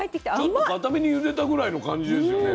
ちょっとかためにゆでたぐらいの感じですよね。